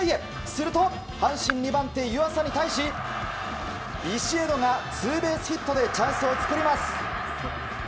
すると、阪神２番手、湯浅に対しビシエドがツーベースヒットでチャンスを作ります。